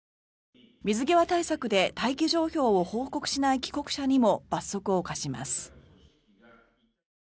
水際対策で待機状況を報告しない帰国者にも罰則を科します。